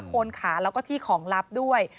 โคนขาแล้วก็ที่ของลับด้วย